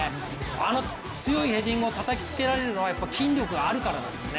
あの強いヘディングをたたきつけられるのは筋力があるからなんですね。